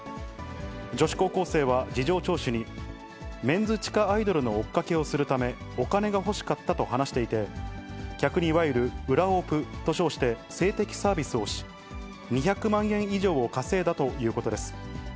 女子高校生は事情聴取に、メンズ地下アイドルの追っかけをするため、お金が欲しかったと話していて、客にいわゆる裏オプと称して性的サービスをし、２００万円以上を稼いだということです。